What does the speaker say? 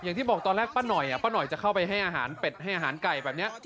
อย่างที่บอกตอนแรกป้าหน่อยป้าหน่อยจะเข้าไปให้อาหารเป็ดให้อาหารไก่แบบนี้